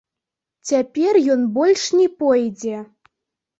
Цяпер ён больш не пойдзе!